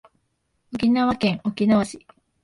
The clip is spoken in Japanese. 沖縄県沖縄市